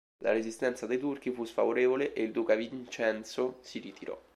La resistenza dei Turchi fu sfavorevole e il duca Vincenzo si ritirò.